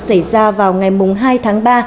xảy ra vào ngày hai tháng ba